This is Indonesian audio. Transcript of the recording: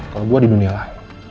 kalau gue di dunia lah